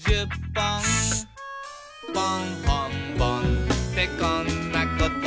「ぽんほんぼんってこんなこと」